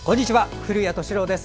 古谷敏郎です。